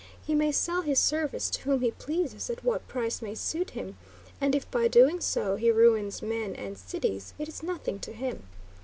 He may sell his service to whom he pleases at what price may suit him, and if by doing so he ruins men and cities, it is nothing to him.